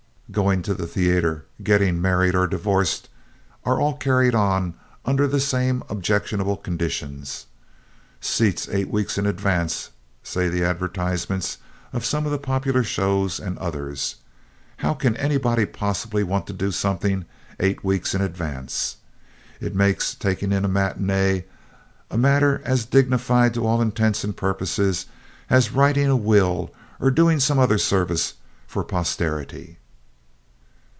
Going to the theater, getting married or divorced are all carried on under the same objectionable conditions. "Seats eight weeks in advance" say the advertisements of some of the popular shows and others. How can anybody possibly want to do something eight weeks in advance? It makes taking in a matinée a matter as dignified to all intents and purposes as writing a will or doing some other service for posterity.